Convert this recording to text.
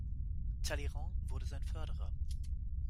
Talleyrand wurde sein Förderer.